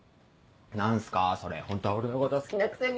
何すかそれホントは俺のこと好きなくせに！